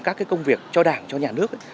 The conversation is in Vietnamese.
các công việc cho đảng cho nhà nước